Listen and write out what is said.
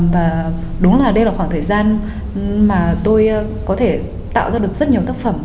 và đúng là đây là khoảng thời gian mà tôi có thể tạo ra được rất nhiều tác phẩm